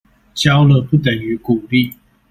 教了，不等於鼓勵